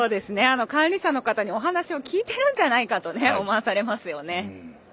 管理者の方にお話を聞いてるんじゃないかと思わされますよね。